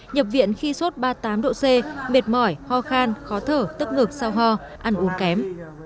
nhập viện khi sốt ba mươi tám độ c mệt mỏi ho khan khó thở tức ngực sao ho ăn uống kém